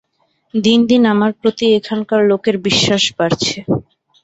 দিন দিন আমার প্রতি এখানকার লোকের বিশ্বাস বাড়ছে।